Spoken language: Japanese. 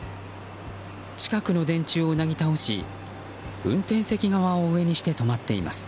近くの電柱をなぎ倒し運転席側を上にして止まっています。